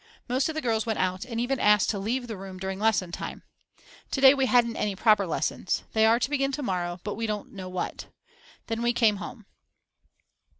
Most of the girls went out, and even asked to leave the room during lesson time. To day we hadn't any proper lessons. They are to begin to morrow, but we don't know what. Then we came home.